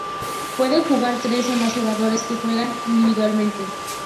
Pueden jugar tres o más jugadores, que juegan individualmente.